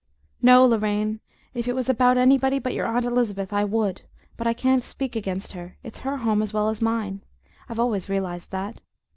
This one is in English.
"No, Lorraine. If it was about anybody but your aunt Elizabeth I would, but I can't speak against her. It's her home as well as mine; I've always realized that.